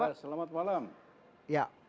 pak selamat malam